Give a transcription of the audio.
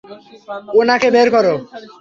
উনাকে বের করো!